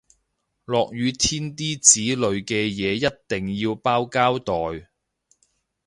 落雨天啲紙類嘅嘢一定要包膠袋